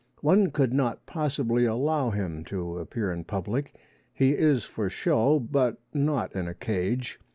One could not possibly allow him to appear in public. He is for show, but not in a cage.